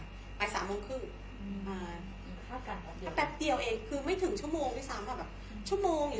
เมื่อแพร่แพร่เดียวแพร่เดียวเองคือไม่ถึงชั่วโมงที่ซั้ง